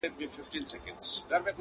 هره توره، هر میدان، او تورزن زما دی!